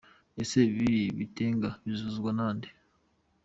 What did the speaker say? Ese ibi bitenga bizuzuzwa na nde ?